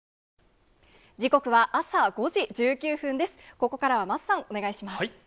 ここからは桝さん、お願いします。